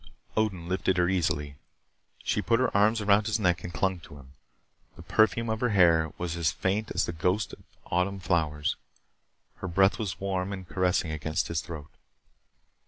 Odin lifted her easily. She put her arms around his neck and clung to him. The perfume of her hair was as faint as the ghost of autumn flowers. Her breath was warm and caressing against his throat.